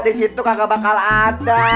di situ kagak bakal ada